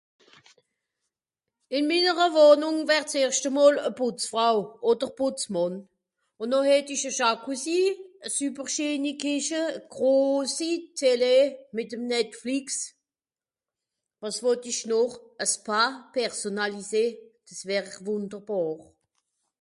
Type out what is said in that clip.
ìm mìnnere wohnung wert's erschte mol a putzfrau oder putzmànn un noch het isch a jacuzzi a super scheeni kìsche a grossi télé mìt'm Netflix wàs wot isch noch a spa personnalisé des wär wunderbàr